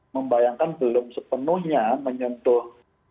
membayangkan belum sepenuhnya menyentuh